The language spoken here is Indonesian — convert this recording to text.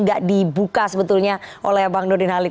gak dibuka sebetulnya oleh bang nurdin halid